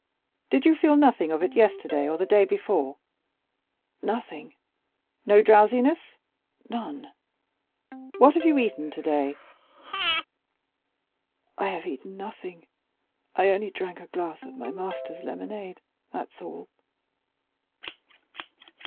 "Did you feel nothing of it yesterday or the day before?" "Nothing." "No drowsiness?" "None." "What have you eaten today?" "I have eaten nothing; I only drank a glass of my master's lemonade—that's all."